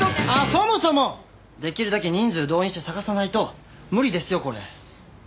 そもそもできるだけ人数動員して捜さないと無理ですよこれ。